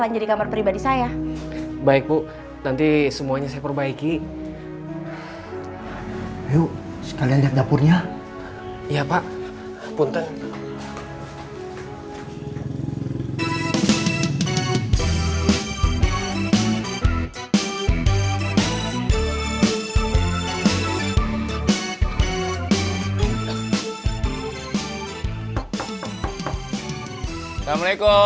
tangga suara assalamualaikum